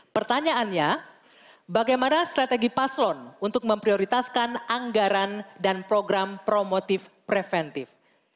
pertanyaannya bagaimana strategi paslon untuk memprioritaskan anggaran dan program promotif preventif